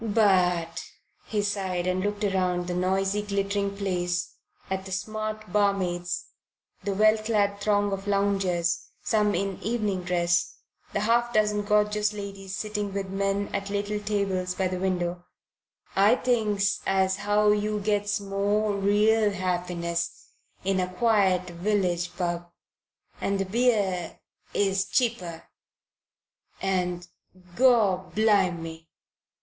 "But" he sighed and looked around the noisy glittering place, at the smart barmaids, the well clad throng of loungers, some in evening dress, the half dozen gorgeous ladies sitting with men at little tables by the window "I thinks as how you gets more real happiness in a quiet village pub, and the beer is cheaper, and gorblimey!"